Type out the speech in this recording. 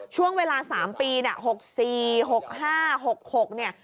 ช่วงเวลา๓ปีเนี่ย๖๔๖๕๖๖เนี่ย